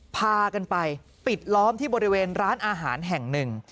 พากันไปปิดล้อมที่บริเวณร้านอาหารแห่งหนึ่ง